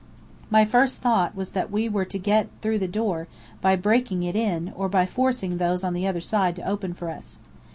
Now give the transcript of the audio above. My first thought was that we were to get through the door, by breaking it in, or by forcing those on the other side to open for us.